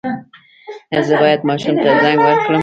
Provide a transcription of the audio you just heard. ایا زه باید ماشوم ته زنک ورکړم؟